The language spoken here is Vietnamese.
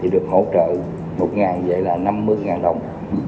được hỗ trợ một ngày vậy là năm mươi đồng